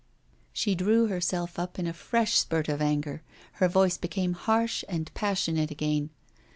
She drew herself up in a fresh spurt of anger. Her voice became harsh and passionate again.